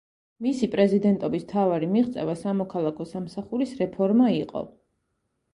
მისი პრეზიდენტობის მთავარი მიღწევა სამოქალაქო სამსახურის რეფორმა იყო.